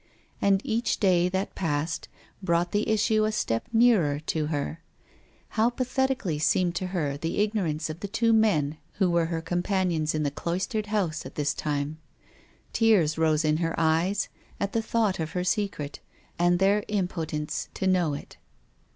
And each day that passed brought the issue a step nearer to her. How pathetical seemed to her the ig norance of the two men who were her compan ions in the cloistered house at this time. Tears rose in her eyes at the thought of her secret and their impotence to know it.